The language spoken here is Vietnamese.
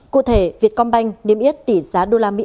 cụ thể vietcombank niêm yết tỷ giá đô la mỹ